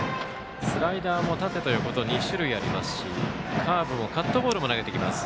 スライダーも縦と横と２種類ありますしカーブもカットボールも投げてきます。